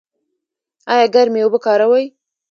ایا ګرمې اوبه کاروئ؟